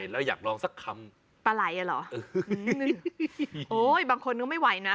แล้วอยากลองสักคำปลาไหล่อ่ะเหรอโอ้ยบางคนก็ไม่ไหวนะ